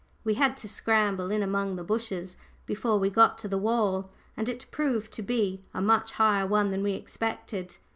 We had to scramble in among the bushes before we got to the wall. And it proved to be a much higher one than we expected.